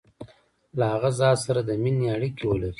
له هغه ذات سره د مینې اړیکي ولري.